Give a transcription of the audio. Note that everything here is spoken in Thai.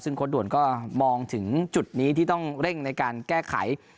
ซึ่งโค้ดด่วนก็มองถึงจุดนี้ที่ต้องเร่งในการแก้ไข